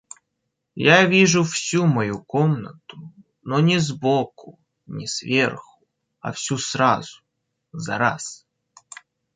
Я вижу всю мою комнату, но не сбоку, не сверху, а всю сразу, зараз.